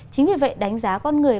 chính vì vậy đánh giá con người